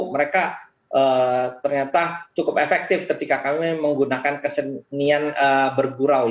mereka ternyata cukup efektif ketika kami menggunakan kesenian bergurau